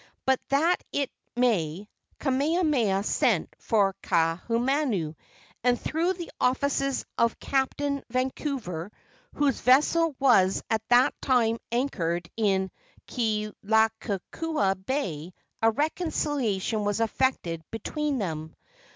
Be that as it may, Kamehameha sent for Kaahumanu, and through the offices of Captain Vancouver, whose vessel was at that time anchored in Kealakeakua Bay, a reconciliation was effected between them.